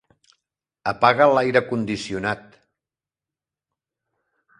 Apaga l'aire condicionat.